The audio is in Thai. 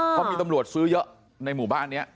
เพราะมีตำรวจซื้อเยอะในหมู่บ้านนี้